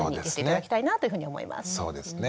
そうですね。